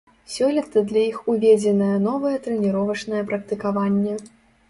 Сёлета для іх уведзенае новае трэніровачнае практыкаванне.